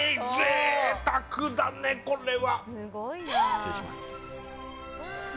失礼します。